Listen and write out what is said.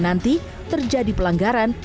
nanti terjadi pelanggaran